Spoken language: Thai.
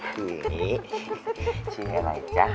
เฮ้ยเฮ้ยเฮ้ยชื่อให้ใหม่จะ